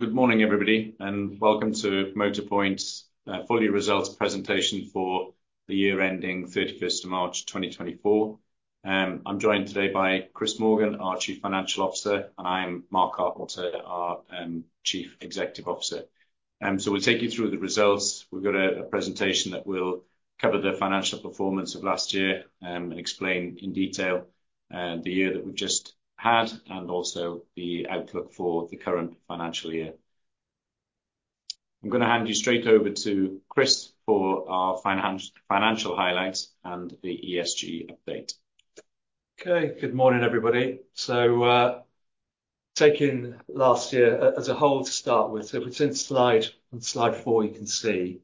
Good morning, everybody, and welcome to Motorpoint's full-year results presentation for the year ending 31 March 2024. I'm joined today by Chris Morgan, our Chief Financial Officer, and I'm Mark Carpenter, our Chief Executive Officer. We'll take you through the results. We've got a presentation that will cover the financial performance of last year. And explain in detail the year that we've just had and also the outlook for the current financial year. I'm going to hand you straight over to Chris for our financial highlights and the ESG update. Okay, good morning, everybody. So taking last year as a whole to start with, so if we turn to slide 4, you can see.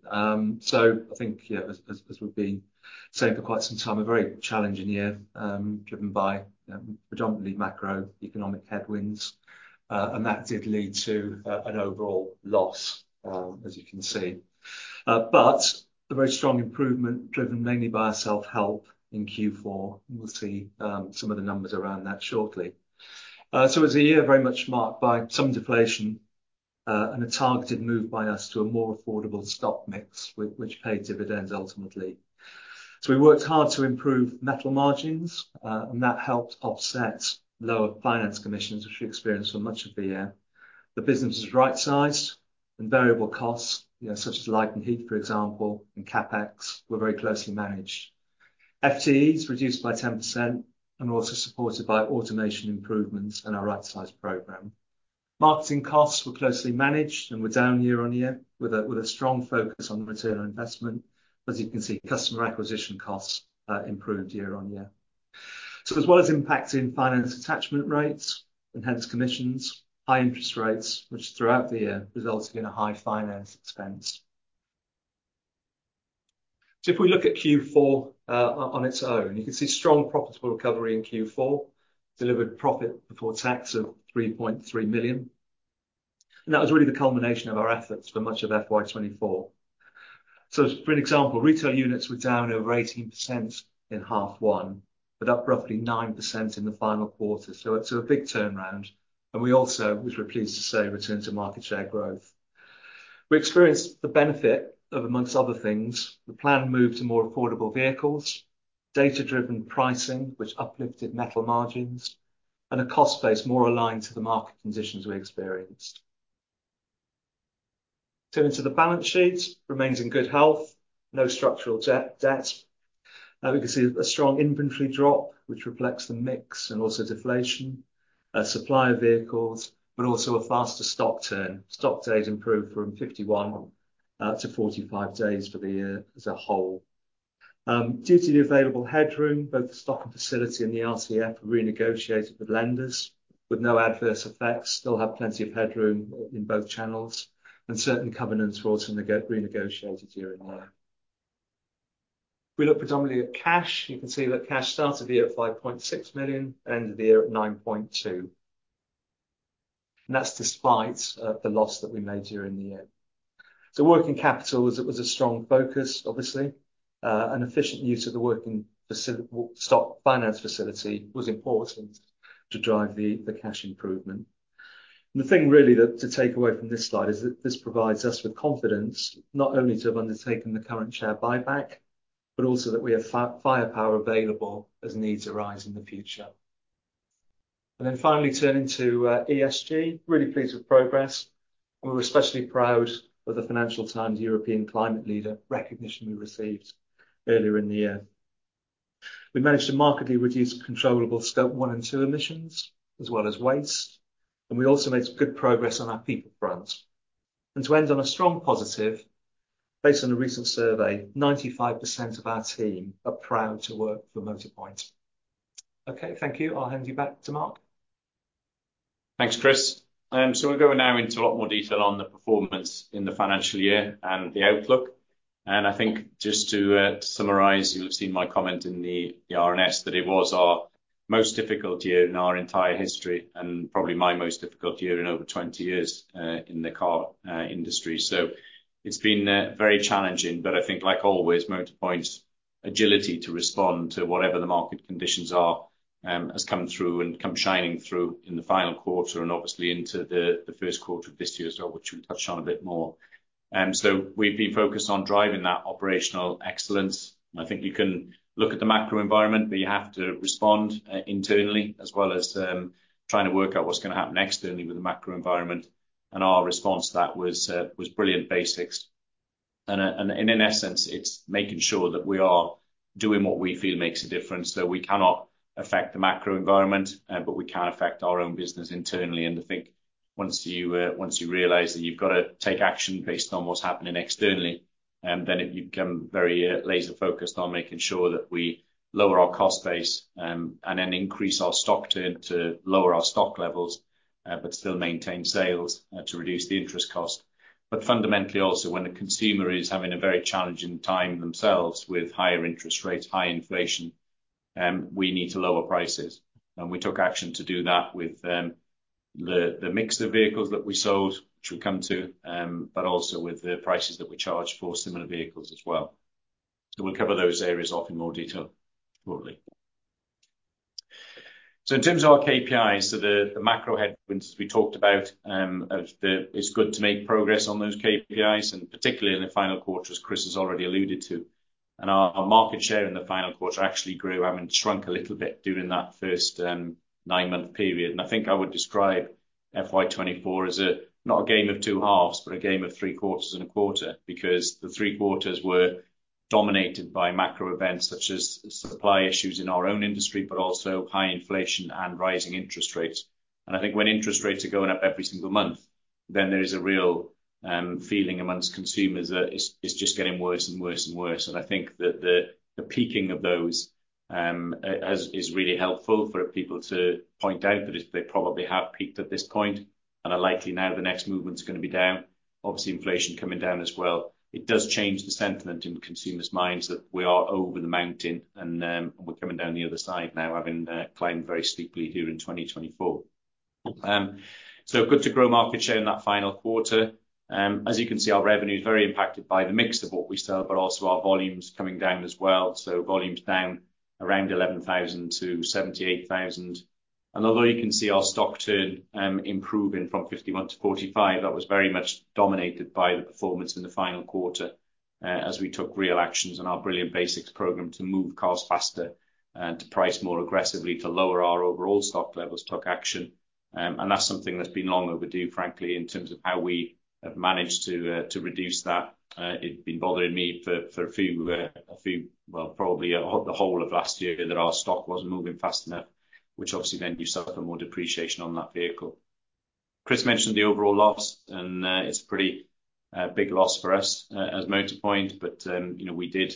So I think, yeah, as we've been saying for quite some time, a very challenging year driven by predominantly macroeconomic headwinds. And that did lead to an overall loss, as you can see. But a very strong improvement driven mainly by our self-help in Q4. We'll see some of the numbers around that shortly. So it was a year very much marked by some deflation and a targeted move by us to a more affordable stock mix, which paid dividends ultimately. So we worked hard to improve metal margins, and that helped offset lower finance commissions, which we experienced for much of the year. The business was right-sized, and variable costs, such as light and heat, for example, and CapEx, were very closely managed. FTEs reduced by 10% and were also supported by automation improvements and our right-sized program. Marketing costs were closely managed and were down year-over-year, with a strong focus on return on investment. As you can see, customer acquisition costs improved year-over-year. So as well as impacting finance attachment rates and hence commissions, high interest rates, which throughout the year resulted in a high finance expense. So if we look at Q4 on its own, you can see strong profitable recovery in Q4, delivered profit before tax of 3.3 million. And that was really the culmination of our efforts for much of FY24. So for example, retail units were down over 18% in half one, but up roughly 9% in the final quarter. So it's a big turnaround. And we also, which we're pleased to say, returned to market share growth. We experienced the benefit of, among other things, the planned move to more affordable vehicles, data-driven pricing, which uplifted metal margins, and a cost base more aligned to the market conditions we experienced. Turning to the balance sheet, remains in good health, no structural debt. We can see a strong inventory drop, which reflects the mix and also deflation, supply of vehicles, but also a faster stock turn. Stock days improved from 51 to 45 days for the year as a whole. Due to the available headroom, both the stocking facility and the RCF were renegotiated with lenders, with no adverse effects. Still have plenty of headroom in both channels. Certain covenants were also renegotiated during the year. We look predominantly at cash. You can see that cash started the year at 5.6 million and ended the year at 9.2 million. That's despite the loss that we made during the year. Working capital was a strong focus, obviously. An efficient use of the working stock finance facility was important to drive the cash improvement. The thing really to take away from this slide is that this provides us with confidence not only to have undertaken the current share buyback, but also that we have firepower available as needs arise in the future. Finally, turning to ESG, really pleased with progress. We were especially proud of the Financial Times European Climate Leader recognition we received earlier in the year. We managed to markedly reduce controllable Scope 1 and 2 emissions, as well as waste. We also made good progress on our people front. To end on a strong positive, based on a recent survey, 95% of our team are proud to work for Motorpoint. Okay, thank you, i'll hand you back to Mark. Thanks, Chris. So we'll go now into a lot more detail on the performance in the financial year and the outlook. I think just to summarise, you'll have seen my comment in the RNS that it was our most difficult year in our entire history and probably my most difficult year in over 20 years in the car industry. So it's been very challenging, but I think like always, Motorpoint's agility to respond to whatever the market conditions are has come through and come shining through in the final quarter and obviously into the first quarter of this year as well, which we'll touch on a bit more. So we've been focused on driving that operational excellence. I think you can look at the macro environment, but you have to respond internally as well as trying to work out what's going to happen externally with the macro environment. Our response to that was Brilliant Basics. In essence, it's making sure that we are doing what we feel makes a difference, so we cannot affect the macro environment, but we can affect our own business internally. I think once you realize that you've got to take action based on what's happening externally, then you become very laser-focused on making sure that we lower our cost base and then increase our stock turn to lower our stock levels, but still maintain sales to reduce the interest cost. But fundamentally, also when the consumer is having a very challenging time themselves with higher interest rates, high inflation, we need to lower prices. We took action to do that with the mix of vehicles that we sold, which we come to, but also with the prices that we charge for similar vehicles as well. So we'll cover those areas off in more detail shortly. So in terms of our KPIs, so the macro headwinds we talked about, it's good to make progress on those KPIs, and particularly in the final quarter, as Chris has already alluded to. And our market share in the final quarter actually grew and shrunk a little bit during that first 9-month period. And I think I would describe FY24 as not a game of 2 halves, but a game of 3 quarters and a quarter, because the 3 quarters were dominated by macro events such as supply issues in our own industry, but also high inflation and rising interest rates. And I think when interest rates are going up every single month, then there is a real feeling among consumers that it's just getting worse and worse and worse. I think that the peaking of those is really helpful for people to point out that they probably have peaked at this point, and are likely now the next movement is going to be down. Obviously, inflation coming down as well. It does change the sentiment in consumers' minds that we are over the mountain and we're coming down the other side now, having climbed very steeply during 2024. So good to grow market share in that final quarter. As you can see, our revenue is very impacted by the mix of what we sell, but also our volumes coming down as well. So volumes down around 11,000 to 78,000. And although you can see our Stock Turn improving from 51 to 45, that was very much dominated by the performance in the final quarter as we took real actions on our Brilliant Basics program to move costs faster and to price more aggressively to lower our overall stock levels, took action. And that's something that's been long overdue, frankly, in terms of how we have managed to reduce that. It's been bothering me for a few, well, probably the whole of last year that our stock wasn't moving fast enough, which obviously then you suffer more depreciation on that vehicle. Chris mentioned the overall loss, and it's a pretty big loss for us as Motorpoint, but we did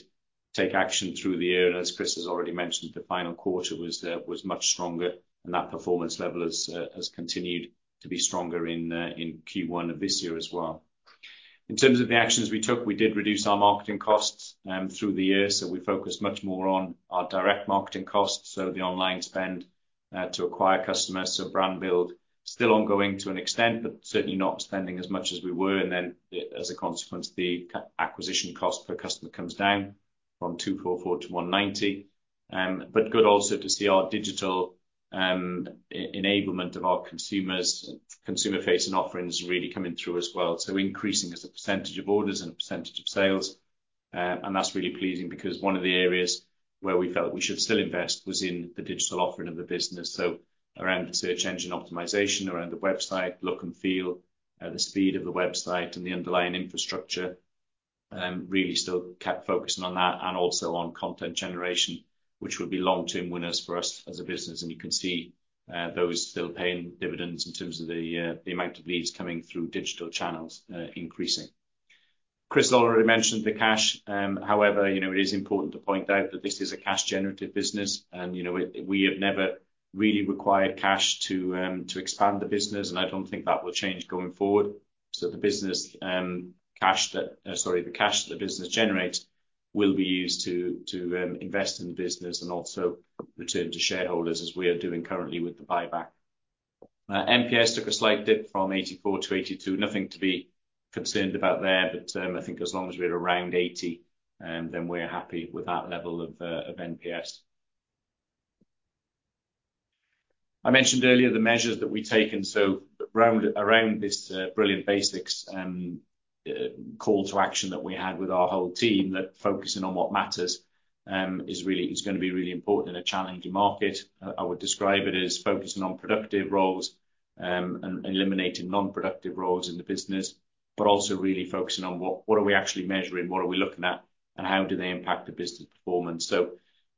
take action through the year. As Chris has already mentioned, the final quarter was much stronger, and that performance level has continued to be stronger in Q1 of this year as well. In terms of the actions we took, we did reduce our marketing costs through the year. We focused much more on our direct marketing costs, so the online spend to acquire customers, so brand build, still ongoing to an extent, but certainly not spending as much as we were. Then as a consequence, the acquisition cost per customer comes down from 244 to 190. Good also to see our digital enablement of our consumers' consumer-facing offerings really coming through as well. Increasing as a percentage of orders and a percentage of sales. That's really pleasing because one of the areas where we felt we should still invest was in the digital offering of the business. So around the search engine optimization, around the website, look and feel, the speed of the website and the underlying infrastructure, really still kept focusing on that and also on content generation, which would be long-term winners for us as a business. And you can see those still paying dividends in terms of the amount of leads coming through digital channels increasing. Chris already mentioned the cash. However, it is important to point out that this is a cash-generative business, and we have never really required cash to expand the business, and I don't think that will change going forward. So the cash that the business generates will be used to invest in the business and also return to shareholders as we are doing currently with the buyback. NPS took a slight dip from 84 to 82. Nothing to be concerned about there, but I think as long as we're around 80, then we're happy with that level of NPS. I mentioned earlier the measures that we've taken. So around this Brilliant Basics call to action that we had with our whole team that focusing on what matters is going to be really important in a challenging market. I would describe it as focusing on productive roles and eliminating non-productive roles in the business, but also really focusing on what are we actually measuring, what are we looking at, and how do they impact the business performance. So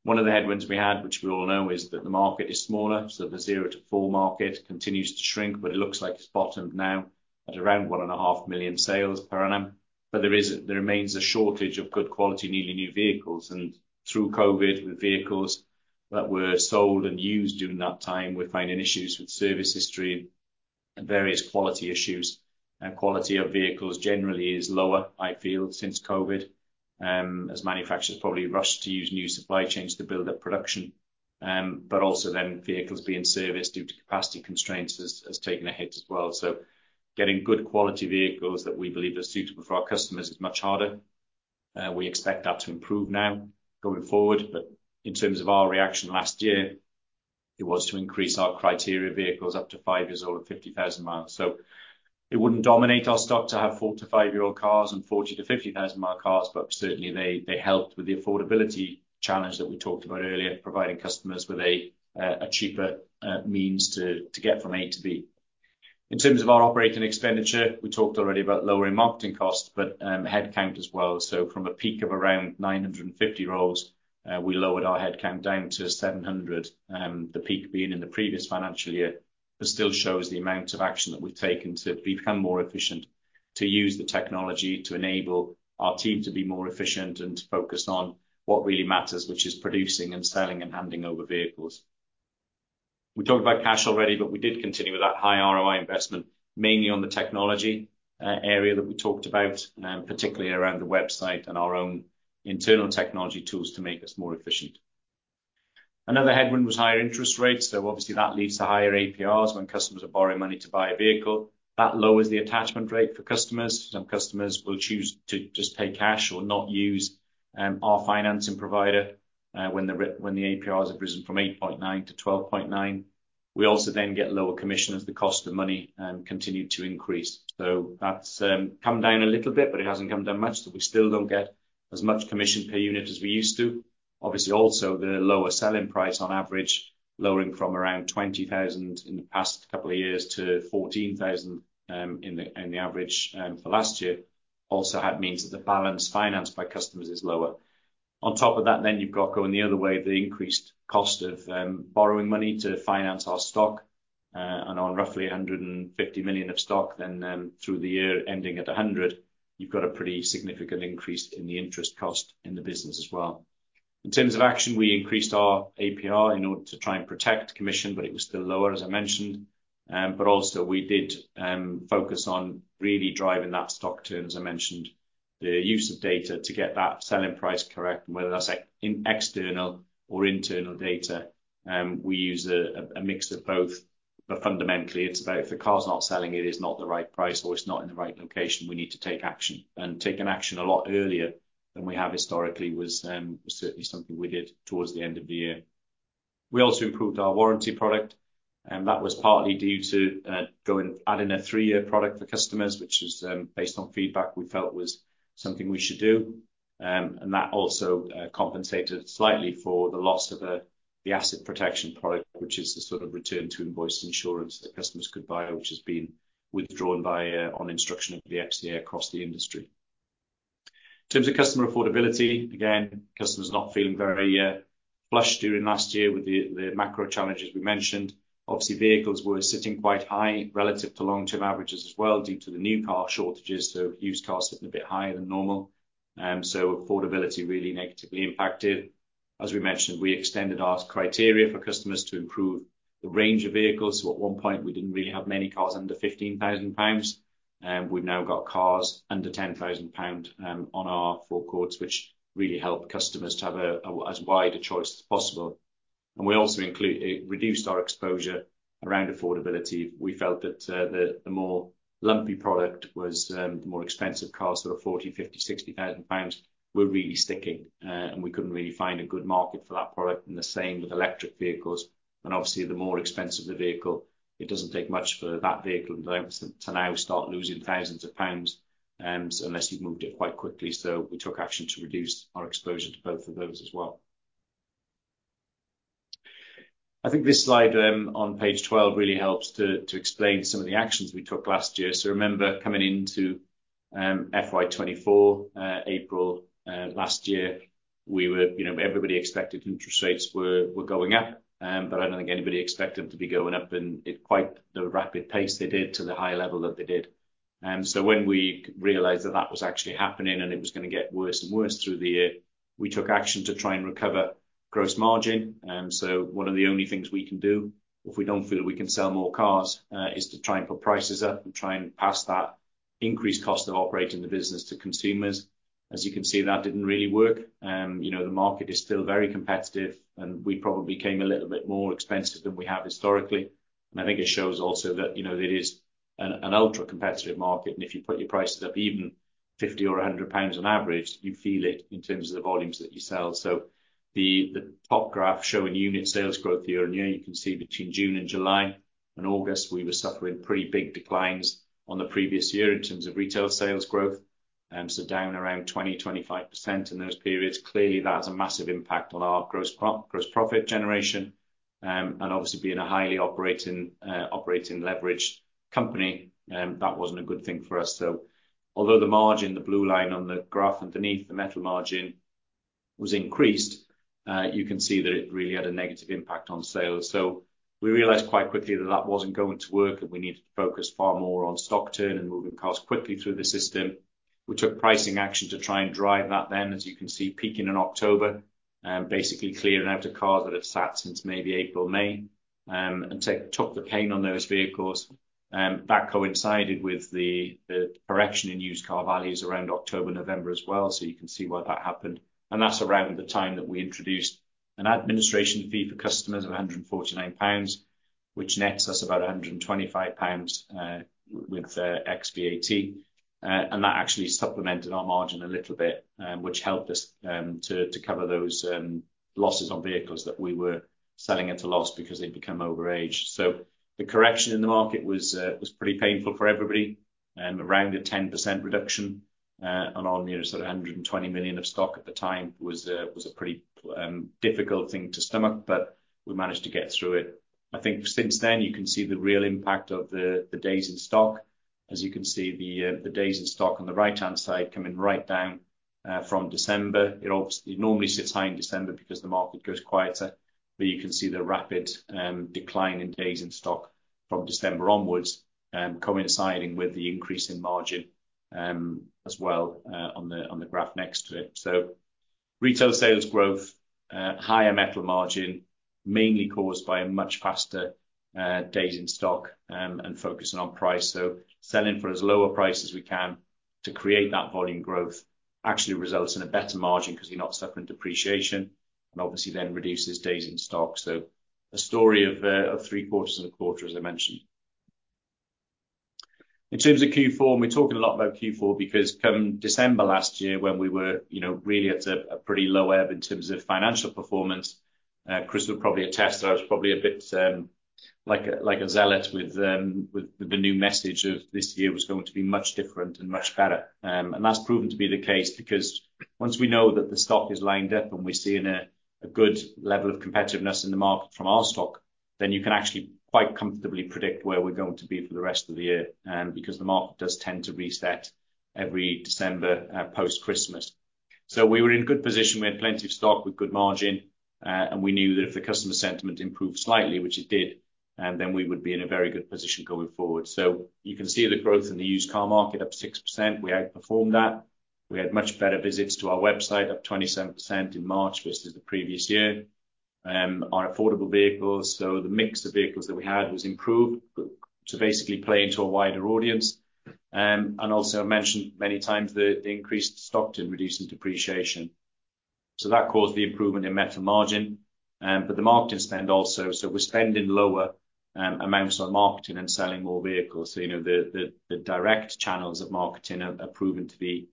one of the headwinds we had, which we all know, is that the market is smaller. So the zero-to-four market continues to shrink, but it looks like it's bottomed now at around 1.5 million sales per annum. But there remains a shortage of good quality, nearly new vehicles. And through COVID, with vehicles that were sold and used during that time, we're finding issues with service history and various quality issues. And quality of vehicles generally is lower, I feel, since COVID, as manufacturers probably rushed to use new supply chains to build up production. But also then vehicles being serviced due to capacity constraints has taken a hit as well. So getting good quality vehicles that we believe are suitable for our customers is much harder. We expect that to improve now going forward. But in terms of our reaction last year, it was to increase our criteria vehicles up to 5 years old and 50,000 miles. So it wouldn't dominate our stock to have 4- to 5-year-old cars and 40,000- to 50,000-mile cars, but certainly they helped with the affordability challenge that we talked about earlier, providing customers with a cheaper means to get from A to B. In terms of our operating expenditure, we talked already about lowering marketing costs, but headcount as well. So from a peak of around 950 roles, we lowered our headcount down to 700, the peak being in the previous financial year, but still shows the amount of action that we've taken to become more efficient, to use the technology to enable our team to be more efficient and focused on what really matters, which is producing and selling and handing over vehicles. We talked about cash already, but we did continue with that high ROI investment, mainly on the technology area that we talked about, particularly around the website and our own internal technology tools to make us more efficient. Another headwind was higher interest rates. So obviously that leads to higher APRs when customers are borrowing money to buy a vehicle. That lowers the attachment rate for customers. Some customers will choose to just pay cash or not use our financing provider when the APRs have risen from 8.9%-12.9%. We also then get lower commissions as the cost of money continued to increase. So that's come down a little bit, but it hasn't come down much that we still don't get as much commission per unit as we used to. Obviously, also the lower selling price on average, lowering from around 20,000 in the past couple of years to 14,000 in the average for last year, also had means that the balance financed by customers is lower. On top of that, then you've got going the other way, the increased cost of borrowing money to finance our stock. On roughly 150 million of stock, then through the year ending at 100, you've got a pretty significant increase in the interest cost in the business as well. In terms of action, we increased our APR in order to try and protect commission, but it was still lower, as I mentioned. But also we did focus on really driving that stock turn, as I mentioned, the use of data to get that selling price correct, whether that's external or internal data. We use a mix of both, but fundamentally, it's about if the car's not selling, it is not the right price or it's not in the right location. We need to take action and take an action a lot earlier than we have historically was certainly something we did towards the end of the year. We also improved our warranty product, and that was partly due to adding a three-year product for customers, which is based on feedback we felt was something we should do. And that also compensated slightly for the loss of the Asset Protection product, which is the sort of return to invoice insurance that customers could buy, which has been withdrawn by on instruction of the FCA across the industry. In terms of customer affordability, again, customers not feeling very flush during last year with the macro challenges we mentioned. Obviously, vehicles were sitting quite high relative to long-term averages as well due to the new car shortages, so used cars sitting a bit higher than normal. So affordability really negatively impacted. As we mentioned, we extended our criteria for customers to improve the range of vehicles. At one point, we didn't really have many cars under 15,000 pounds. We've now got cars under 10,000 pounds on our forecourts, which really helped customers to have as wide a choice as possible. And we also reduced our exposure around affordability. We felt that the more lumpy product was the more expensive cars, sort of 40,000, 50,000, 60,000 pounds, were really sticking, and we couldn't really find a good market for that product. And the same with electric vehicles. Obviously, the more expensive the vehicle, it doesn't take much for that vehicle to now start losing thousands of pounds unless you've moved it quite quickly. So we took action to reduce our exposure to both of those as well. I think this slide on page 12 really helps to explain some of the actions we took last year. So remember coming into FY24, April last year, everybody expected interest rates were going up, but I don't think anybody expected them to be going up in quite the rapid pace they did to the high level that they did. So when we realized that that was actually happening and it was going to get worse and worse through the year, we took action to try and recover gross margin. So one of the only things we can do if we don't feel we can sell more cars is to try and put prices up and try and pass that increased cost of operating the business to consumers. As you can see, that didn't really work. The market is still very competitive, and we probably became a little bit more expensive than we have historically. And I think it shows also that it is an ultra-competitive market. And if you put your prices up even 50-100 pounds on average, you feel it in terms of the volumes that you sell. So the top graph showing unit sales growth year-on-year, you can see between June and July and August, we were suffering pretty big declines on the previous year in terms of retail sales growth. So down around 20%-25% in those periods. Clearly, that has a massive impact on our gross profit generation. And obviously, being a highly operating leveraged company, that wasn't a good thing for us. So although the margin, the blue line on the graph underneath the metal margin was increased, you can see that it really had a negative impact on sales. So we realized quite quickly that that wasn't going to work and we needed to focus far more on stock turn and moving costs quickly through the system. We took pricing action to try and drive that then, as you can see, peaking in October, basically clearing out of cars that had sat since maybe April, May, and took the pain on those vehicles. That coincided with the correction in used car values around October, November as well. So you can see why that happened. That's around the time that we introduced an administration fee for customers of 149 pounds, which nets us about 125 pounds with ex VAT. That actually supplemented our margin a little bit, which helped us to cover those losses on vehicles that we were selling at a loss because they'd become overaged. The correction in the market was pretty painful for everybody. Around a 10% reduction on sort of 120 million of stock at the time was a pretty difficult thing to stomach, but we managed to get through it. I think since then, you can see the real impact of the days in stock. As you can see, the days in stock on the right-hand side coming right down from December. It normally sits high in December because the market goes quieter. But you can see the rapid decline in days in stock from December onwards coinciding with the increase in margin as well on the graph next to it. So retail sales growth, higher metal margin, mainly caused by a much faster days in stock and focusing on price. So selling for as lower prices as we can to create that volume growth actually results in a better margin because you're not suffering depreciation and obviously then reduces days in stock. So a story of three quarters and a quarter, as I mentioned. In terms of Q4, we're talking a lot about Q4 because come December last year, when we were really at a pretty low ebb in terms of financial performance, Chris would probably attest that I was probably a bit like a zealot with the new message of this year was going to be much different and much better. That's proven to be the case because once we know that the stock is lined up and we're seeing a good level of competitiveness in the market from our stock, then you can actually quite comfortably predict where we're going to be for the rest of the year because the market does tend to reset every December post-Christmas. We were in good position. We had plenty of stock with good margin, and we knew that if the customer sentiment improved slightly, which it did, then we would be in a very good position going forward. You can see the growth in the used car market up 6%. We outperformed that. We had much better visits to our website up 27% in March versus the previous year. Our affordable vehicles, so the mix of vehicles that we had was improved to basically play into a wider audience. Also, I mentioned many times the increased stock turn reducing depreciation. So that caused the improvement in metal margin. But the marketing spend also, so we're spending lower amounts on marketing and selling more vehicles. So the direct channels of marketing have proven to be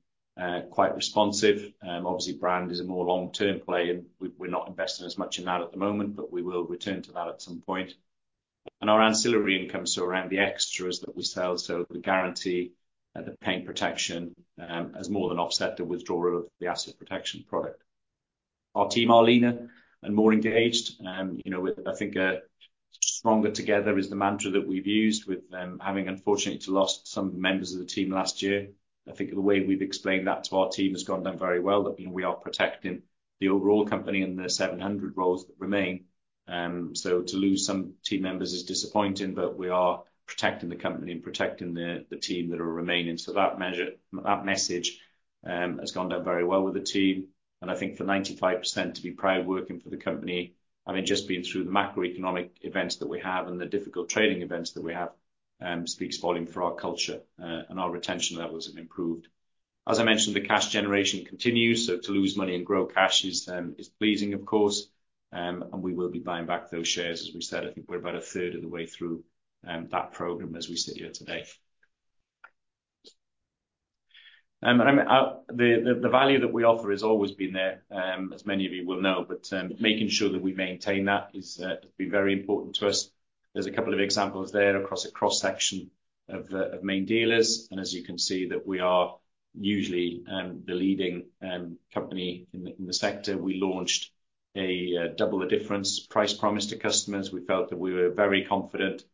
quite responsive. Obviously, brand is a more long-term play and we're not investing as much in that at the moment, but we will return to that at some point. And our ancillary income, so around the extras that we sell, so the guarantee, the paint protection has more than offset the withdrawal of the asset protection product. Our team are leaner and more engaged. I think stronger together is the mantra that we've used with having, unfortunately, lost some members of the team last year. I think the way we've explained that to our team has gone down very well, that we are protecting the overall company and the 700 roles that remain. So to lose some team members is disappointing, but we are protecting the company and protecting the team that are remaining. So that message has gone down very well with the team. I think for 95% to be proud working for the company, I mean, just being through the macroeconomic events that we have and the difficult trading events that we have speaks volume for our culture and our retention levels have improved. As I mentioned, the cash generation continues. So to lose money and grow cash is pleasing, of course. We will be buying back those shares, as we said. I think we're about a third of the way through that program as we sit here today. The value that we offer has always been there, as many of you will know, but making sure that we maintain that has been very important to us. There's a couple of examples there across a cross-section of main dealers. As you can see, that we are usually the leading company in the sector. We launched a Double the Difference price promise to customers. We felt that we were very confident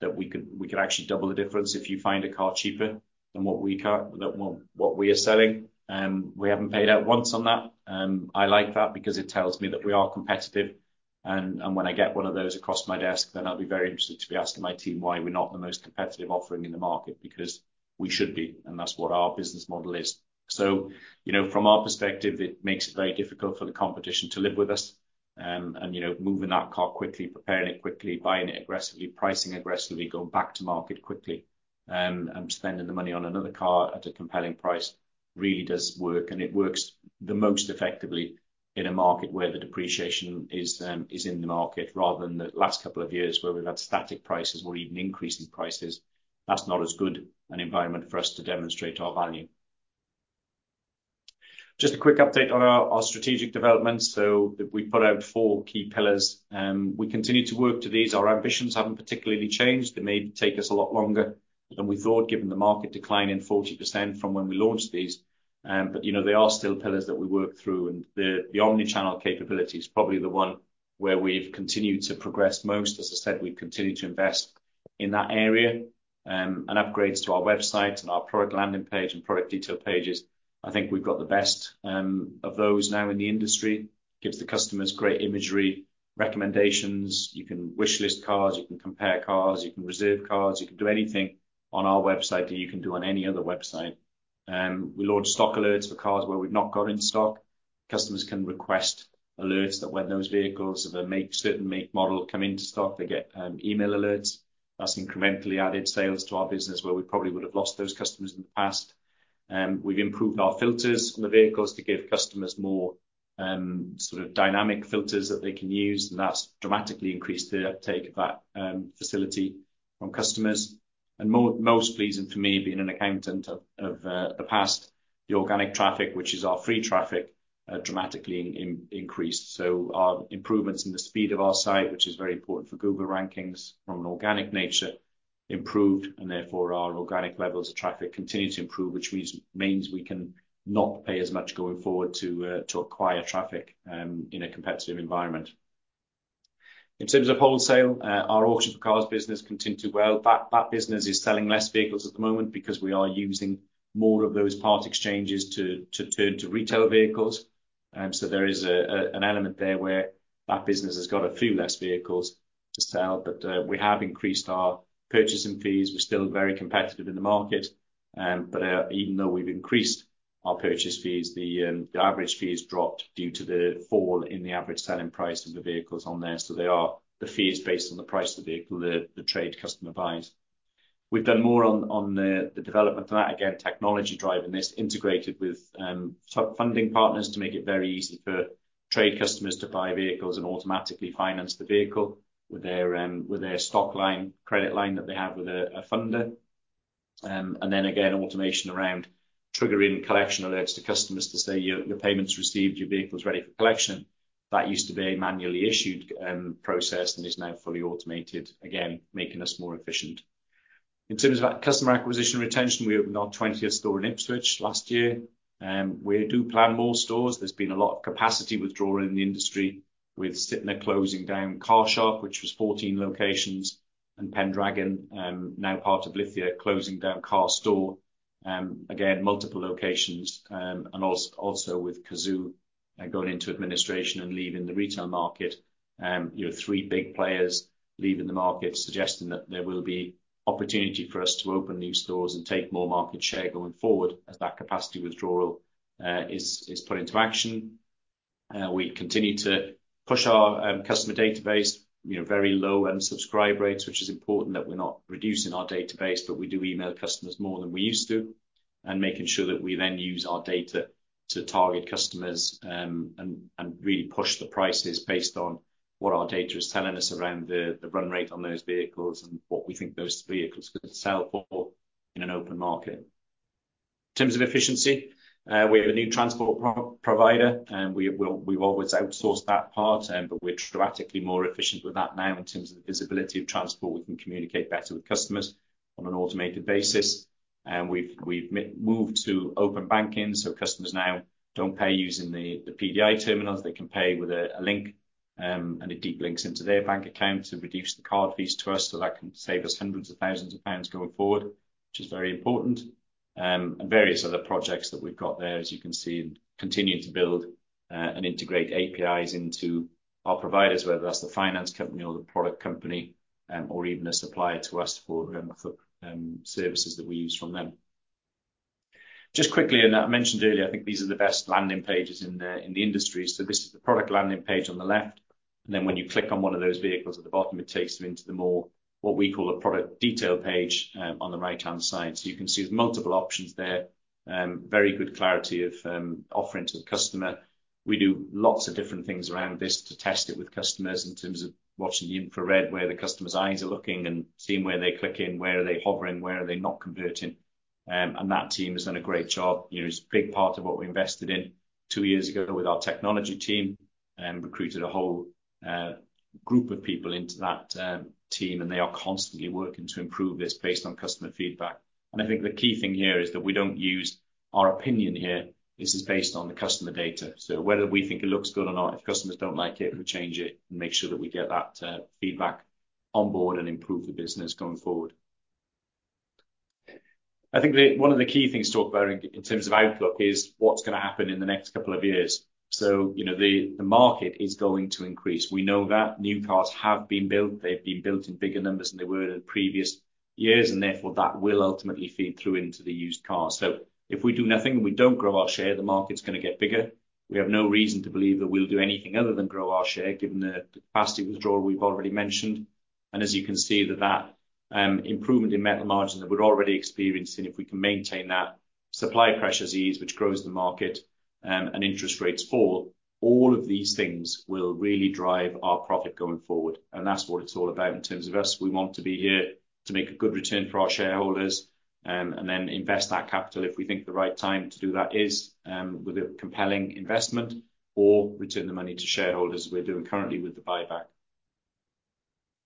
that we could actually double the difference if you find a car cheaper than what we are selling. We haven't paid out once on that. I like that because it tells me that we are competitive. When I get one of those across my desk, then I'll be very interested to be asking my team why we're not the most competitive offering in the market because we should be, and that's what our business model is. So from our perspective, it makes it very difficult for the competition to live with us. And moving that car quickly, preparing it quickly, buying it aggressively, pricing aggressively, going back to market quickly, and spending the money on another car at a compelling price really does work. And it works the most effectively in a market where the depreciation is in the market rather than the last couple of years where we've had static prices or even increasing prices. That's not as good an environment for us to demonstrate our value. Just a quick update on our strategic development. So we put out four key pillars. We continue to work to these. Our ambitions haven't particularly changed. They may take us a lot longer than we thought, given the market decline in 40% from when we launched these. But they are still pillars that we work through. The omnichannel capability is probably the one where we've continued to progress most. As I said, we've continued to invest in that area and upgrades to our website and our product landing page and product detail pages. I think we've got the best of those now in the industry. Gives the customers great imagery, recommendations. You can wishlist cars. You can compare cars. You can reserve cars. You can do anything on our website that you can do on any other website. We launched Stock Alerts for cars where we've not got in stock. Customers can request alerts that when those vehicles of a certain make model come into stock, they get email alerts. That's incrementally added sales to our business where we probably would have lost those customers in the past. We've improved our filters on the vehicles to give customers more sort of dynamic filters that they can use. That's dramatically increased the uptake of that facility from customers. Most pleasing for me, being an accountant of the past, the organic traffic, which is our free traffic, dramatically increased. Our improvements in the speed of our site, which is very important for Google rankings from an organic nature, improved. Therefore, our organic levels of traffic continue to improve, which means we can not pay as much going forward to acquire traffic in a competitive environment. In terms of wholesale, our Auction4Cars business continued to grow. That business is selling less vehicles at the moment because we are using more of those part exchanges to turn to retail vehicles. So there is an element there where that business has got a few less vehicles to sell. But we have increased our purchasing fees. We're still very competitive in the market. But even though we've increased our purchase fees, the average fee has dropped due to the fall in the average selling price of the vehicles on there. So the fee is based on the price of the vehicle the trade customer buys. We've done more on the development of that. Again, technology driving this integrated with funding partners to make it very easy for trade customers to buy vehicles and automatically finance the vehicle with their stock line, credit line that they have with a funder. And then again, automation around triggering collection alerts to customers to say, "Your payment's received. Your vehicle's ready for collection." That used to be a manually issued process and is now fully automated, again, making us more efficient. In terms of customer acquisition retention, we opened our 20th store in Ipswich last year. We do plan more stores. There's been a lot of capacity withdrawal in the industry with Sytner closing down CarShop, which was 14 locations, and Pendragon, now part of Lithia, closing down CarStore. Again, multiple locations. And also with Cazoo going into administration and leaving the retail market, 3 big players leaving the market, suggesting that there will be opportunity for us to open new stores and take more market share going forward as that capacity withdrawal is put into action. We continue to push our customer database, very low unsubscribe rates, which is important that we're not reducing our database, but we do email customers more than we used to. Making sure that we then use our data to target customers and really push the prices based on what our data is telling us around the run rate on those vehicles and what we think those vehicles could sell for in an open market. In terms of efficiency, we have a new transport provider. We've always outsourced that part, but we're dramatically more efficient with that now in terms of the visibility of transport. We can communicate better with customers on an automated basis. We've moved to Open Banking. So customers now don't pay using the PDQ terminals. They can pay with a link and a deep link into their bank account to reduce the card fees to us. So that can save us hundreds of thousands of GBP going forward, which is very important. And various other projects that we've got there, as you can see, continue to build and integrate APIs into our providers, whether that's the finance company or the product company or even a supplier to us for services that we use from them. Just quickly, and I mentioned earlier, I think these are the best landing pages in the industry. So this is the product landing page on the left. And then when you click on one of those vehicles at the bottom, it takes you into the more, what we call a product detail page on the right-hand side. So you can see there's multiple options there, very good clarity of offering to the customer. We do lots of different things around this to test it with customers in terms of watching the infrared where the customer's eyes are looking and seeing where they're clicking, where are they hovering, where are they not converting. And that team has done a great job. It's a big part of what we invested in two years ago with our technology team. Recruited a whole group of people into that team, and they are constantly working to improve this based on customer feedback. And I think the key thing here is that we don't use our opinion here. This is based on the customer data. So whether we think it looks good or not, if customers don't like it, we change it and make sure that we get that feedback on board and improve the business going forward. I think one of the key things to talk about in terms of outlook is what's going to happen in the next couple of years. So the market is going to increase. We know that new cars have been built. They've been built in bigger numbers than they were in previous years. And therefore, that will ultimately feed through into the used cars. So if we do nothing and we don't grow our share, the market's going to get bigger. We have no reason to believe that we'll do anything other than grow our share, given the capacity withdrawal we've already mentioned. And as you can see, that improvement in metal margins that we're already experiencing, if we can maintain that supply pressure's ease, which grows the market and interest rates fall, all of these things will really drive our profit going forward. That's what it's all about in terms of us. We want to be here to make a good return for our shareholders and then invest that capital if we think the right time to do that is with a compelling investment or return the money to shareholders as we're doing currently with the buyback.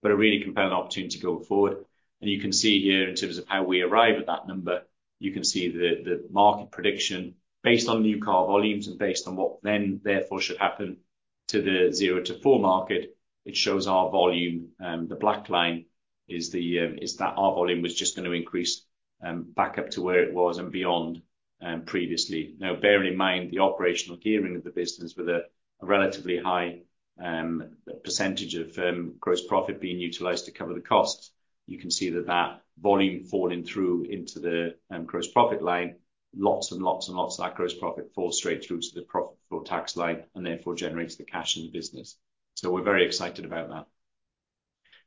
But a really compelling opportunity going forward. You can see here in terms of how we arrive at that number, you can see the market prediction based on new car volumes and based on what then therefore should happen to the Zero to Four Market. It shows our volume. The black line is that our volume was just going to increase back up to where it was and beyond previously. Now, bearing in mind the operational gearing of the business with a relatively high percentage of gross profit being utilized to cover the costs, you can see that that volume falling through into the gross profit line, lots and lots and lots of that gross profit falls straight through to the profit for tax line and therefore generates the cash in the business. So we're very excited about that.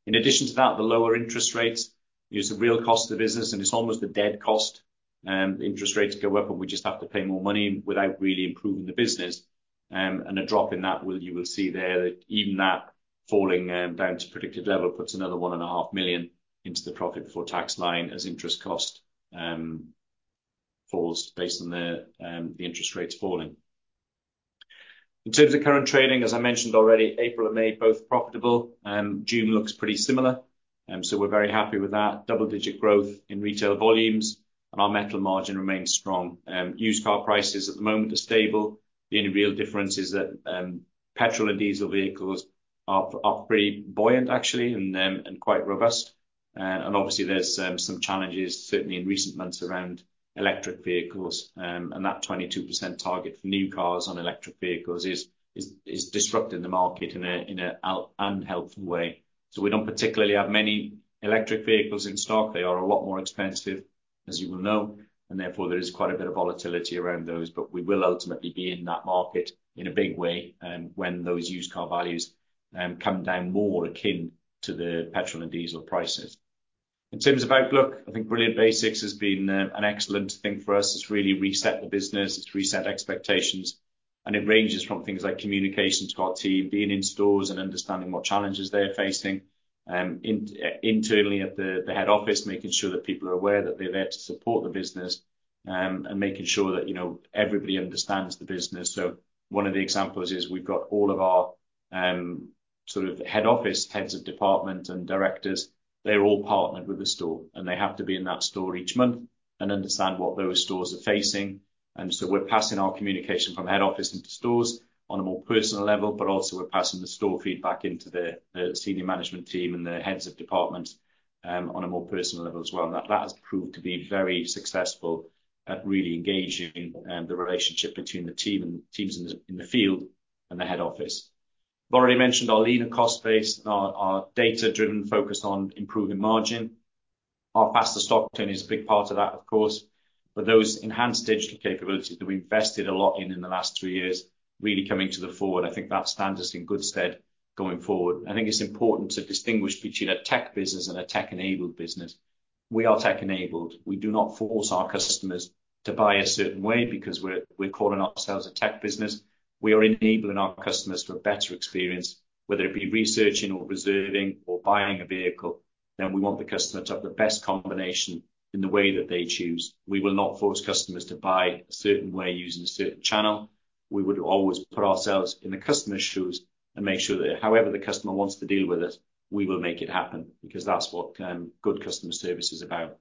In addition to that, the lower interest rates is a real cost of the business, and it's almost a dead cost. Interest rates go up and we just have to pay more money without really improving the business. And a drop in that, you will see there that even that falling down to predicted level puts another 1.5 million into the profit for tax line as interest cost falls based on the interest rates falling. In terms of current trading, as I mentioned already, April and May, both profitable. June looks pretty similar. So we're very happy with that. Double-digit growth in retail volumes and our Metal Margin remains strong. Used car prices at the moment are stable. The only real difference is that petrol and diesel vehicles are pretty buoyant, actually, and quite robust. And obviously, there's some challenges, certainly in recent months, around electric vehicles. And that 22% target for new cars on electric vehicles is disrupting the market in an unhelpful way. So we don't particularly have many electric vehicles in stock. They are a lot more expensive, as you will know. And therefore, there is quite a bit of volatility around those. But we will ultimately be in that market in a big way when those used car values come down more akin to the petrol and diesel prices. In terms of outlook, I think Brilliant Basics has been an excellent thing for us. It's really reset the business. It's reset expectations. And it ranges from things like communication to our team, being in stores and understanding what challenges they're facing. Internally at the head office, making sure that people are aware that they're there to support the business and making sure that everybody understands the business. So one of the examples is we've got all of our sort of head office, heads of department, and directors. They're all partnered with the store. And they have to be in that store each month and understand what those stores are facing. We're passing our communication from head office into stores on a more personal level, but also we're passing the store feedback into the senior management team and the heads of department on a more personal level as well. That has proved to be very successful at really engaging the relationship between the teams in the field and the head office. I've already mentioned our lean and cost-based, our data-driven focus on improving margin. Our faster stock turn is a big part of that, of course. Those enhanced digital capabilities that we invested a lot in the last three years really coming to the fore. I think that stands us in good stead going forward. I think it's important to distinguish between a tech business and a tech-enabled business. We are tech-enabled. We do not force our customers to buy a certain way because we're calling ourselves a tech business. We are enabling our customers for a better experience, whether it be researching or reserving or buying a vehicle. And we want the customer to have the best combination in the way that they choose. We will not force customers to buy a certain way using a certain channel. We would always put ourselves in the customer's shoes and make sure that however the customer wants to deal with us, we will make it happen because that's what good customer service is about.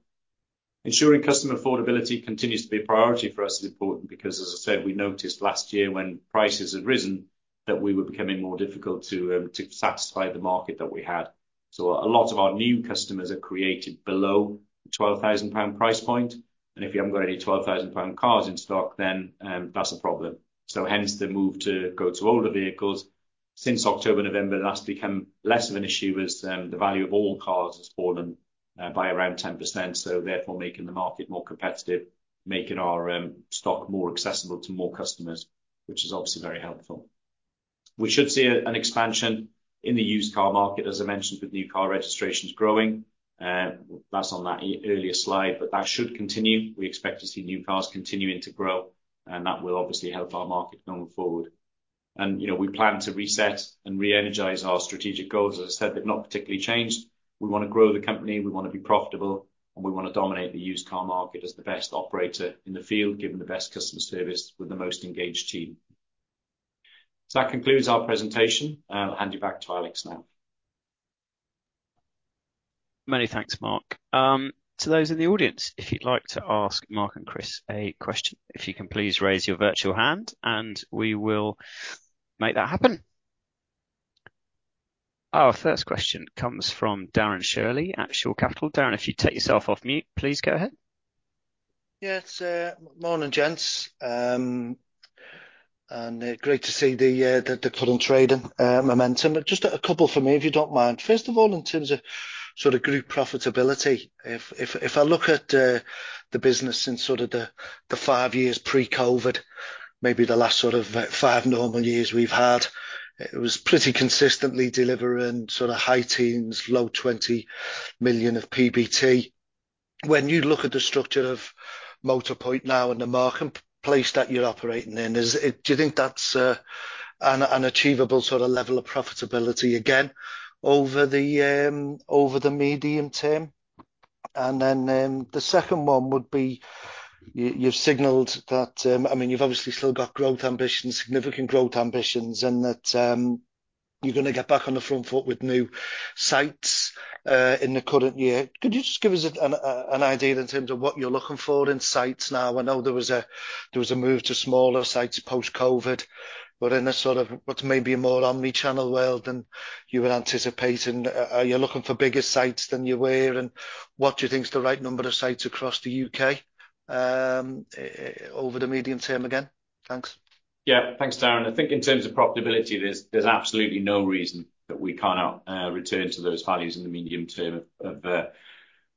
Ensuring customer affordability continues to be a priority for us is important because, as I said, we noticed last year when prices had risen that we were becoming more difficult to satisfy the market that we had. So a lot of our new customers are created below the 12,000 pound price point. And if you haven't got any 12,000 pound cars in stock, then that's a problem. So hence the move to go to older vehicles. Since October-November, it last became less of an issue as the value of all cars has fallen by around 10%. So therefore, making the market more competitive, making our stock more accessible to more customers, which is obviously very helpful. We should see an expansion in the used car market, as I mentioned, with new car registrations growing. That's on that earlier slide, but that should continue. We expect to see new cars continuing to grow. And that will obviously help our market going forward. And we plan to reset and re-energize our strategic goals. As I said, they've not particularly changed. We want to grow the company. We want to be profitable. We want to dominate the used car market as the best operator in the field, giving the best customer service with the most engaged team. That concludes our presentation. I'll hand you back to Alex now. Many thanks, Mark. To those in the audience, if you'd like to ask Mark and Chris a question, if you can please raise your virtual hand, and we will make that happen. Our first question comes from Darren Shirley at Shore Capital. Darren, if you take yourself off mute, please go ahead. Yes, morning, gents. Great to see the current trading momentum. Just a couple for me, if you don't mind. First of all, in terms of sort of group profitability, if I look at the business in sort of the 5 years pre-COVID, maybe the last sort of 5 normal years we've had, it was pretty consistently delivering sort of high teens-low 20 million of PBT. When you look at the structure of Motorpoint now and the marketplace that you're operating in, do you think that's an achievable sort of level of profitability again over the medium term? Then the second one would be you've signalled that, I mean, you've obviously still got growth ambitions, significant growth ambitions, and that you're going to get back on the front foot with new sites in the current year. Could you just give us an idea in terms of what you're looking for in sites now? I know there was a move to smaller sites post-COVID, but in a sort of what's maybe a more omnichannel world than you were anticipating, are you looking for bigger sites than you were? And what do you think is the right number of sites across the UK over the medium term again? Thanks. Yeah, thanks, Darren. I think in terms of profitability, there's absolutely no reason that we can't return to those values in the medium term of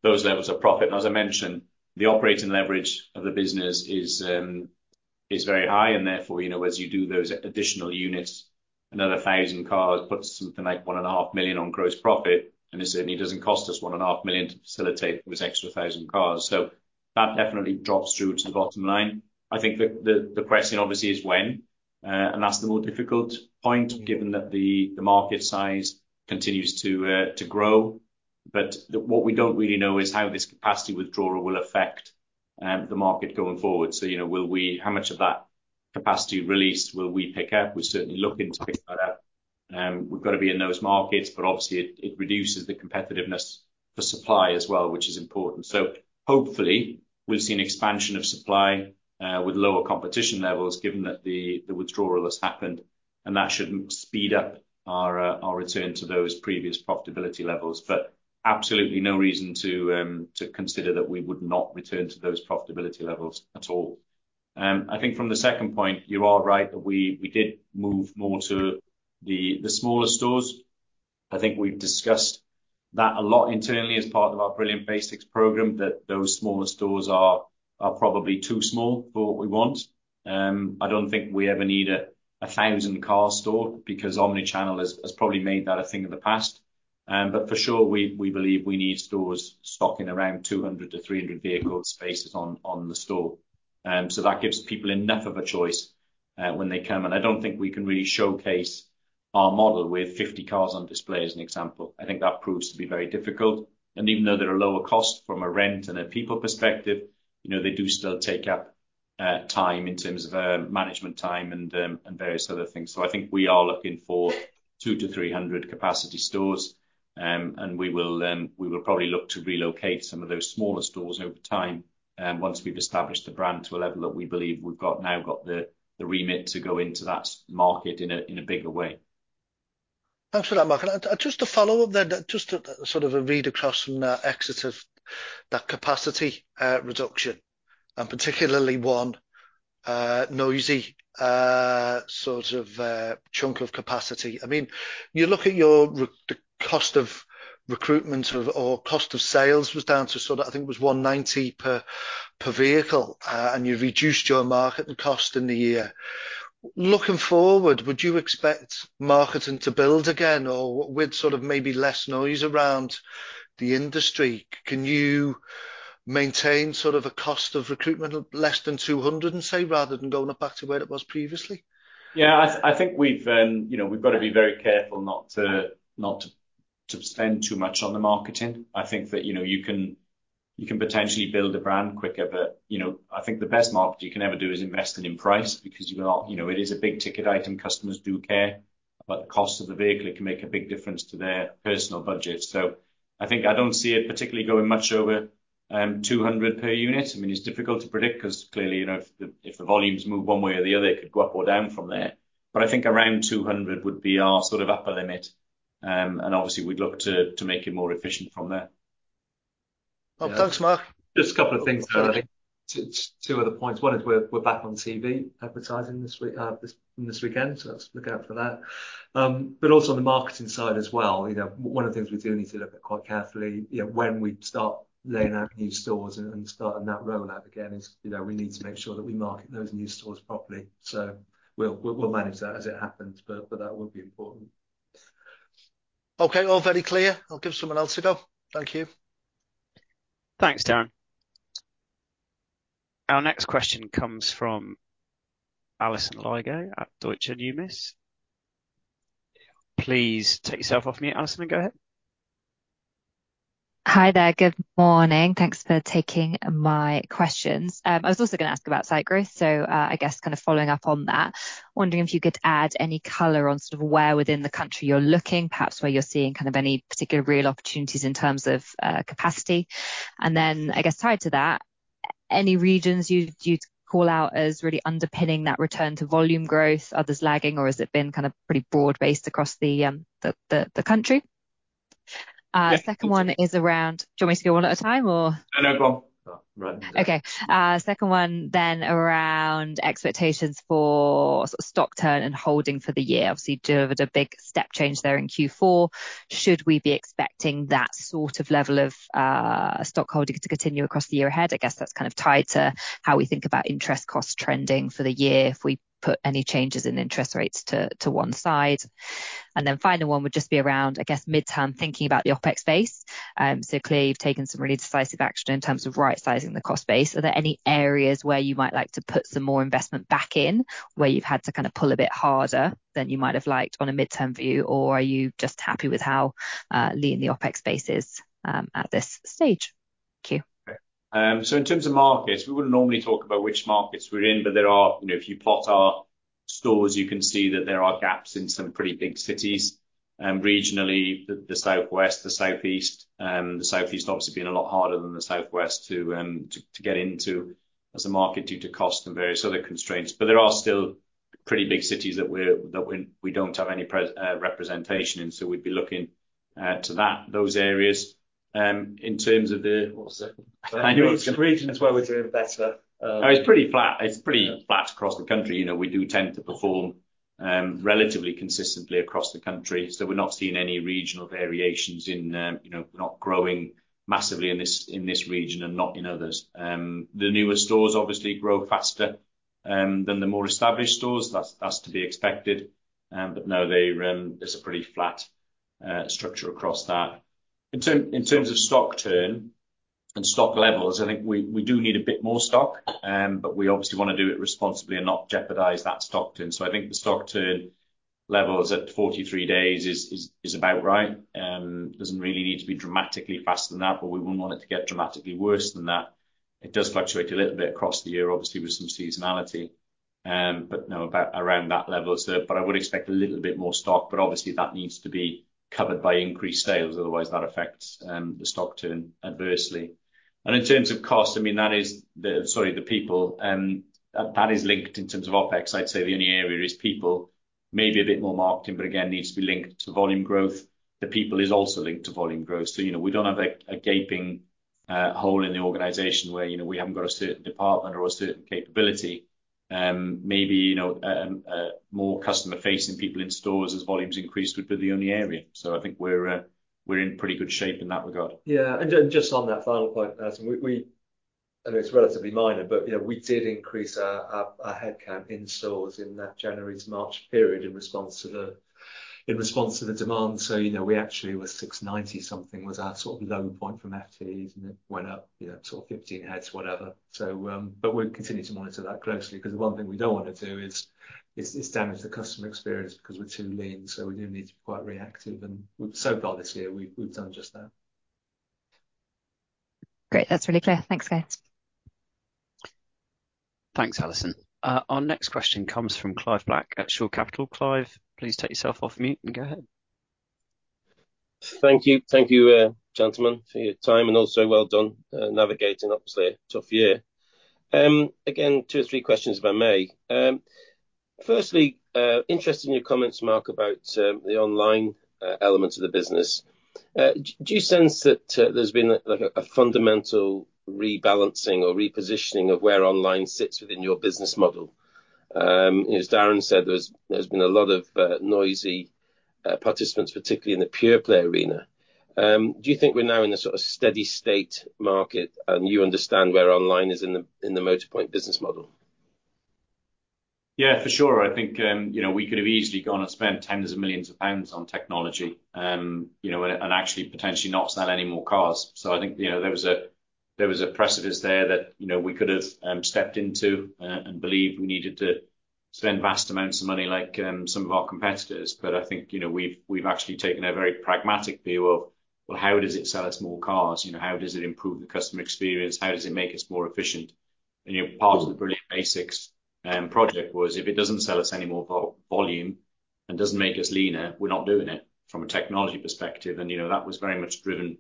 those levels of profit. And as I mentioned, the operating leverage of the business is very high. And therefore, as you do those additional units, another 1,000 cars puts something like 1.5 million on gross profit. And it certainly doesn't cost us 1.5 million to facilitate those extra 1,000 cars. So that definitely drops through to the bottom line. I think the question obviously is when. That's the more difficult point, given that the market size continues to grow. But what we don't really know is how this capacity withdrawal will affect the market going forward. How much of that capacity released will we pick up? We're certainly looking to pick that up. We've got to be in those markets, but obviously, it reduces the competitiveness for supply as well, which is important. Hopefully, we'll see an expansion of supply with lower competition levels, given that the withdrawal has happened. That should speed up our return to those previous profitability levels. But absolutely no reason to consider that we would not return to those profitability levels at all. I think from the second point, you are right that we did move more to the smaller stores. I think we've discussed that a lot internally as part of our Brilliant Basics program, that those smaller stores are probably too small for what we want. I don't think we ever need a 1,000-car store because omnichannel has probably made that a thing in the past. But for sure, we believe we need stores stocking around 200-300 vehicle spaces on the store. So that gives people enough of a choice when they come. And I don't think we can really showcase our model with 50 cars on display as an example. I think that proves to be very difficult. And even though they're a lower cost from a rent and a people perspective, they do still take up time in terms of management time and various other things. So I think we are looking for 200-300 capacity stores. We will probably look to relocate some of those smaller stores over time once we've established the brand to a level that we believe we've now got the remit to go into that market in a bigger way. Thanks for that, Mark. Just to follow up there, just to sort of read across some excess of that capacity reduction, and particularly one noisy sort of chunk of capacity. I mean, you look at your cost of recruitment or cost of sales was down to sort of, I think it was 190 per vehicle, and you reduced your marketing cost in the year. Looking forward, would you expect marketing to build again or with sort of maybe less noise around the industry? Can you maintain sort of a cost of recruitment less than 200, say, rather than going up back to where it was previously? Yeah, I think we've got to be very careful not to spend too much on the marketing. I think that you can potentially build a brand quicker, but I think the best marketing you can ever do is investing in price because it is a big ticket item. Customers do care about the cost of the vehicle. It can make a big difference to their personal budget. So I think I don't see it particularly going much over 200 per unit. I mean, it's difficult to predict because clearly, if the volumes move one way or the other, it could go up or down from there. But I think around 200 would be our sort of upper limit. And obviously, we'd look to make it more efficient from there. Thanks, Mark. Just a couple of things there. I think two other points. One is we're back on TV advertising this weekend, so let's look out for that. But also on the marketing side as well, one of the things we do need to look at quite carefully when we start laying out new stores and starting that rollout again is we need to make sure that we market those new stores properly. So we'll manage that as it happens, but that would be important. Okay, all very clear. I'll give someone else a go. Thank you. Thanks, Darren. Our next question comes from Alison Lygo at Deutsche Numis. Please take yourself off mute, Alison, and go ahead. Hi there. Good morning. Thanks for taking my questions. I was also going to ask about site growth. So I guess kind of following up on that, wondering if you could add any color on sort of where within the country you're looking, perhaps where you're seeing kind of any particular real opportunities in terms of capacity. And then I guess tied to that, any regions you'd call out as really underpinning that return to volume growth? Others lagging, or has it been kind of pretty broad-based across the country? Second one is around, do you want me to go one at a time or? No, go on. Okay. Second one then around expectations for stock turn and holding for the year. Obviously, delivered a big step change there in Q4. Should we be expecting that sort of level of stock holding to continue across the year ahead? I guess that's kind of tied to how we think about interest cost trending for the year if we put any changes in interest rates to one side. And then final one would just be around, I guess, midterm thinking about the OpEx base. So clearly, you've taken some really decisive action in terms of right-sizing the cost base. Are there any areas where you might like to put some more investment back in where you've had to kind of pull a bit harder than you might have liked on a midterm view, or are you just happy with how lean the OpEx base is at this stage? Thank you. So in terms of markets, we wouldn't normally talk about which markets we're in, but if you plot our stores, you can see that there are gaps in some pretty big cities regionally, the Southwest, the Southeast. The Southeast obviously has been a lot harder than the Southwest to get into as a market due to cost and various other constraints. But there are still pretty big cities that we don't have any representation in, so we'd be looking to those areas. In terms of the, what was it? Regions where we're doing better. It's pretty flat. It's pretty flat across the country. We do tend to perform relatively consistently across the country. So we're not seeing any regional variations in not growing massively in this region and not in others. The newer stores obviously grow faster than the more established stores. That's to be expected. But no, there's a pretty flat structure across that. In terms of stock turn and stock levels, I think we do need a bit more stock, but we obviously want to do it responsibly and not jeopardize that stock turn. I think the stock turn levels at 43 days is about right. It doesn't really need to be dramatically faster than that, but we wouldn't want it to get dramatically worse than that. It does fluctuate a little bit across the year, obviously, with some seasonality. But no, about around that level. But I would expect a little bit more stock, but obviously, that needs to be covered by increased sales. Otherwise, that affects the stock turn adversely. And in terms of cost, I mean, that is, sorry, the people. That is linked in terms of OpEx. I'd say the only area is people, maybe a bit more marketing, but again, needs to be linked to volume growth. The people is also linked to volume growth. So we don't have a gaping hole in the organization where we haven't got a certain department or a certain capability. Maybe more customer-facing people in stores as volumes increase would be the only area. So I think we're in pretty good shape in that regard. Yeah. And just on that final point, I mean, it's relatively minor, but we did increase our headcount in stores in that January to March period in response to the demand. So we actually were 690-something was our sort of low point from FTEs, and it went up sort of 15 heads, whatever. But we'll continue to monitor that closely because the one thing we don't want to do is damage the customer experience because we're too lean. So we do need to be quite reactive. And so far this year, we've done just that. Great. That's really clear. Thanks, guys. Thanks, Alison. Our next question comes from Clive Black at Shore Capital. Clive, please take yourself off mute and go ahead. Thank you, gentlemen, for your time. And also well done navigating, obviously, a tough year. Again, two or three questions if I may. Firstly, interested in your comments, Mark, about the online element of the business. Do you sense that there's been a fundamental rebalancing or repositioning of where online sits within your business model? As Darren said, there's been a lot of noisy participants, particularly in the pure-play arena. Do you think we're now in a sort of steady-state market, and you understand where online is in the Motorpoint business model? Yeah, for sure. I think we could have easily gone and spent tens of millions GBP on technology and actually potentially not sell any more cars. So I think there was a precipice there that we could have stepped into and believed we needed to spend vast amounts of money like some of our competitors. But I think we've actually taken a very pragmatic view of, well, how does it sell us more cars? How does it improve the customer experience? How does it make us more efficient? And part of the Brilliant Basics project was, if it doesn't sell us any more volume and doesn't make us leaner, we're not doing it from a technology perspective. And that was very much driven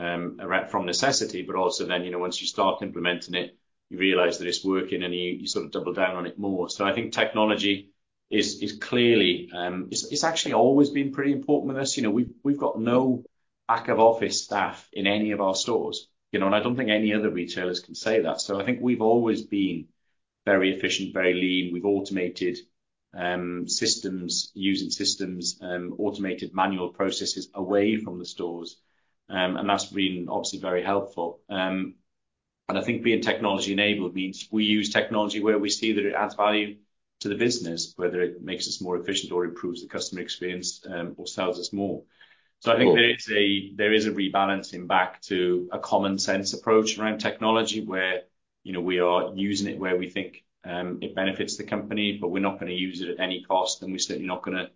from necessity, but also then once you start implementing it, you realize that it's working and you sort of double down on it more. So I think technology is clearly, it's actually always been pretty important with us. We've got no back-office staff in any of our stores. And I don't think any other retailers can say that. So I think we've always been very efficient, very lean. We've automated systems, using systems, automated manual processes away from the stores. That's been obviously very helpful. I think being technology-enabled means we use technology where we see that it adds value to the business, whether it makes us more efficient or improves the customer experience or sells us more. I think there is a rebalancing back to a common-sense approach around technology where we are using it where we think it benefits the company, but we're not going to use it at any cost. We're certainly not going to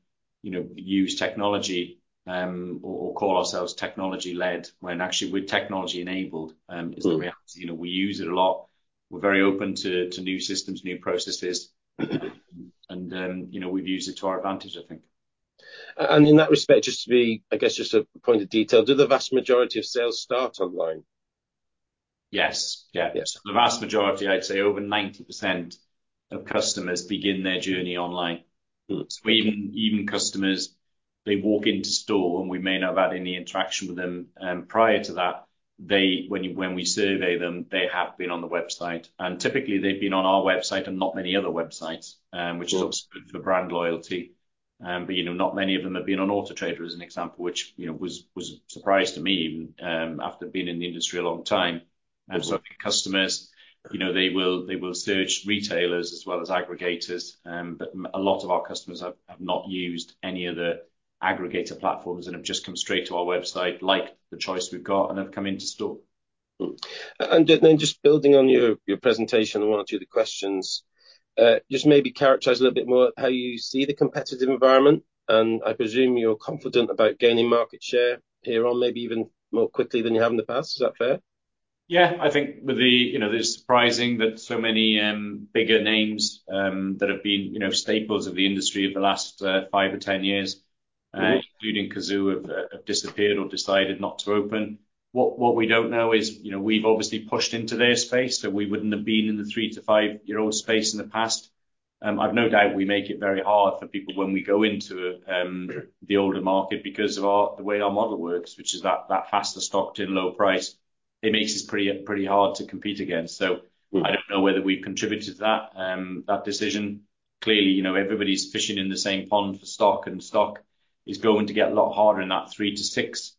use technology or call ourselves technology-led when actually we're technology-enabled is the reality. We use it a lot. We're very open to new systems, new processes. We've used it to our advantage, I think. In that respect, just to be, I guess, just a point of detail, do the vast majority of sales start online? Yes. Yeah. So the vast majority, I'd say over 90% of customers begin their journey online. So even customers, they walk into store, and we may not have had any interaction with them prior to that. When we survey them, they have been on the website. And typically, they've been on our website and not many other websites, which looks good for brand loyalty. But not many of them have been on Auto Trader, as an example, which was a surprise to me even after being in the industry a long time. So I think customers, they will search retailers as well as aggregators. But a lot of our customers have not used any of the aggregator platforms and have just come straight to our website like the choice we've got and have come into store. And then just building on your presentation, I want to do the questions. Just maybe characterize a little bit more how you see the competitive environment. I presume you're confident about gaining market share here on maybe even more quickly than you have in the past. Is that fair? Yeah. I think with the, it's surprising that so many bigger names that have been staples of the industry over the last 5 or 10 years, including Cazoo, have disappeared or decided not to open. What we don't know is we've obviously pushed into their space, so we wouldn't have been in the 3- to 5-year-old space in the past. I've no doubt we make it very hard for people when we go into the older market because of the way our model works, which is that faster stock turn, low price. It makes us pretty hard to compete against. I don't know whether we've contributed to that decision. Clearly, everybody's fishing in the same pond for stock, and stock is going to get a lot harder in that 3-6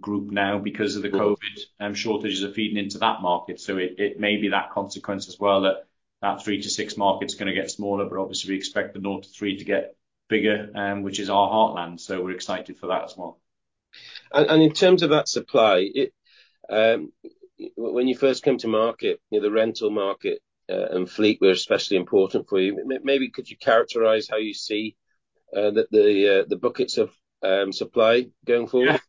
group now because of the COVID shortages are feeding into that market. So it may be that consequence as well that that 3-6 market's going to get smaller, but obviously, we expect the north of 3 to get bigger, which is our heartland. So we're excited for that as well. And in terms of that supply, when you first came to market, the rental market and fleet were especially important for you. Maybe could you characterize how you see the buckets of supply going forward?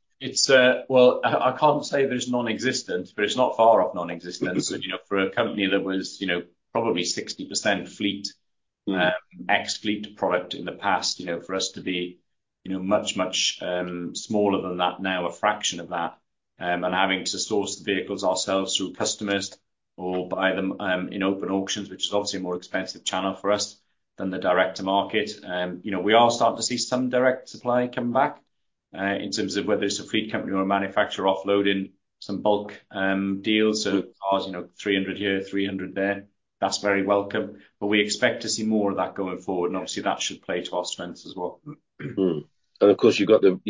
Well, I can't say there's non-existent, but it's not far off non-existent. So for a company that was probably 60% fleet, ex-fleet product in the past, for us to be much, much smaller than that, now a fraction of that, and having to source the vehicles ourselves through customers or buy them in open auctions, which is obviously a more expensive channel for us than the direct market. We are starting to see some direct supply come back in terms of whether it's a fleet company or a manufacturer offloading some bulk deals. So cars 300 here, 300 there, that's very welcome. But we expect to see more of that going forward, and obviously, that should play to our strengths as well. And of course, you've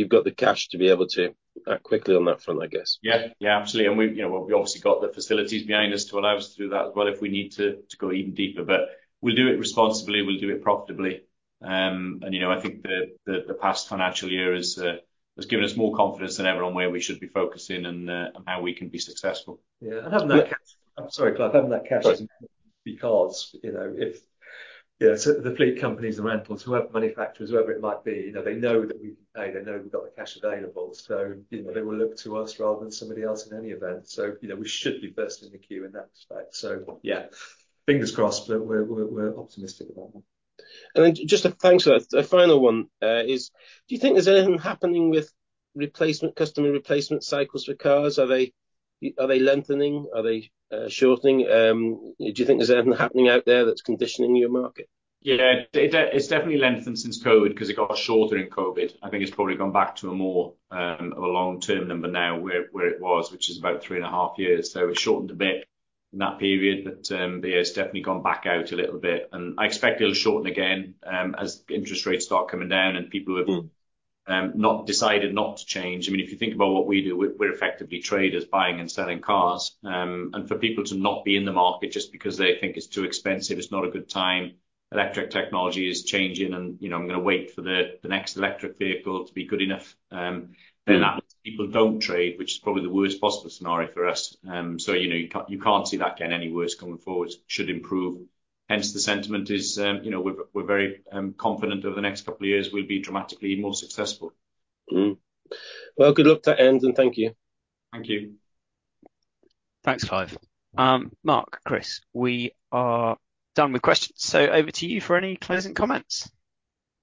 got the cash to be able to act quickly on that front, I guess. Yeah. Yeah, absolutely. We've obviously got the facilities behind us to allow us to do that as well if we need to go even deeper. But we'll do it responsibly. We'll do it profitably. I think the past financial year has given us more confidence than ever on where we should be focusing and how we can be successful. Yeah. Having that cash, I'm sorry, Clive, having that cash is important because if the fleet companies, the rentals, whoever manufacturers, whoever it might be, they know that we can pay. They know we've got the cash available. So they will look to us rather than somebody else in any event. So we should be first in the queue in that respect. So yeah, fingers crossed, but we're optimistic about that. Then just thanks for that. The final one is, do you think there's anything happening with customer replacement cycles for cars? Are they lengthening? Are they shortening? Do you think there's anything happening out there that's conditioning your market? Yeah. It's definitely lengthened since COVID because it got shorter in COVID. I think it's probably gone back to a long-term number now where it was, which is about 3.5 years. So it shortened a bit in that period, but it's definitely gone back out a little bit. And I expect it'll shorten again as interest rates start coming down and people have not decided not to change. I mean, if you think about what we do, we're effectively traders, buying and selling cars. And for people to not be in the market just because they think it's too expensive, it's not a good time. Electric technology is changing, and I'm going to wait for the next electric vehicle to be good enough. Then people don't trade, which is probably the worst possible scenario for us. So you can't see that getting any worse going forward. It should improve. Hence, the sentiment is we're very confident over the next couple of years, we'll be dramatically more successful. Well, good luck then, and thank you. Thank you. Thanks, Clive. Mark, Chris, we are done with questions. So over to you for any closing comments.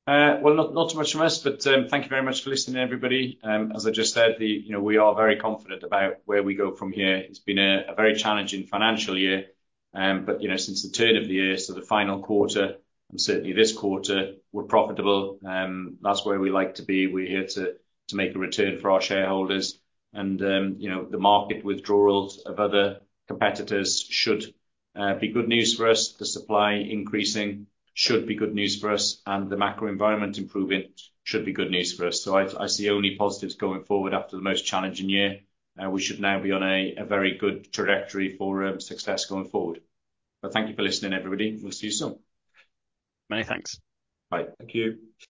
Well, not too much from us, but thank you very much for listening, everybody. As I just said, we are very confident about where we go from here. It's been a very challenging financial year. But since the turn of the year, so the final quarter, and certainly this quarter, we're profitable. That's where we like to be. We're here to make a return for our shareholders. The market withdrawals of other competitors should be good news for us. The supply increasing should be good news for us. The macro environment improving should be good news for us. I see only positives going forward after the most challenging year. We should now be on a very good trajectory for success going forward. Thank you for listening, everybody. We'll see you soon. Many thanks. Bye. Thank you.